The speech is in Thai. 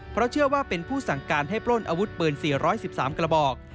เพราะเชื่อว่าเป็นผู้สั่งการให้ปล้นอาวุธเปิดสี่ร้อยสิบสามกระบอก